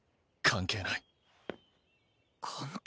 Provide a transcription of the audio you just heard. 関係ない？